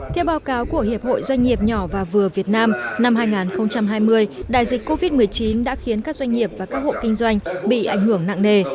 theo báo cáo của hiệp hội doanh nghiệp nhỏ và vừa việt nam năm hai nghìn hai mươi đại dịch covid một mươi chín đã khiến các doanh nghiệp và các hộ kinh doanh bị ảnh hưởng nặng nề